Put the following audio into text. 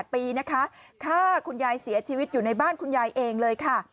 ๘ปีนะคะฆ่าคุณยายเสียชีวิตอยู่ในบ้านคุณยายเองเลยค่ะ